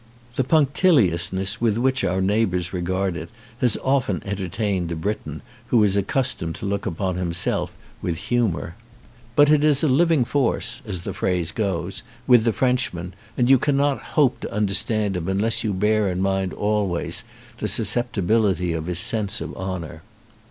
The punctiliousness with which our neighbours regard it has often entertained the Briton who is accustomed to look upon himself with humour ; but it is a living force, as the phrase 73 ON A CHINESE SCREEN goes, with the Frenchman, and you cannot hope to understand him unless you bear in mind always the susceptibility of his sense of honour.